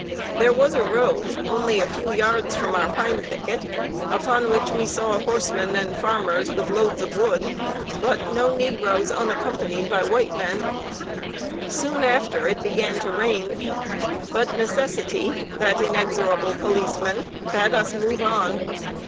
There was a road, only a few yards from our pine thicket, upon which we saw horsemen and farmers with loads of wood, but no negroes unaccompanied by white men. [Sidenote: SEVERE MARCH IN THE RAIN.] Soon after dark it began to rain; but necessity, that inexorable policeman, bade us move on.